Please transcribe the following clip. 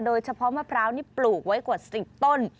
เฉพาะมะพร้าวนี่ปลูกไว้กว่า๑๐ต้น